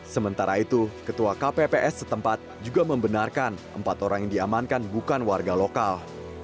sementara itu ketua kpps setempat juga membenarkan empat orang yang diamankan bukan warga lokal